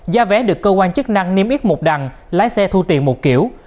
giá vé được cơ quan chức năng niêm yết một đằng lái xe thu tiền một kiểu